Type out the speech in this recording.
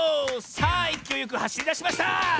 さあいきおいよくはしりだしました！